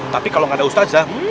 tapi kalau nggak ada ustazah